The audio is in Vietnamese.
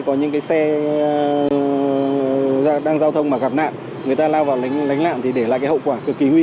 có những cái xe đang giao thông mà gặp nạn người ta lao vào đánh nạn thì để lại cái hậu quả cực kỳ nguy